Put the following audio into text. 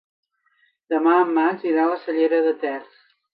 Demà en Max irà a la Cellera de Ter.